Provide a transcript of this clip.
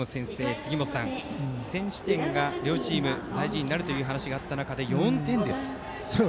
杉本さん、先取点が両チーム、大事になるという話があった中で４点です。